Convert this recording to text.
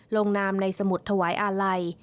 ลงนามในสมุดถวายอาลัย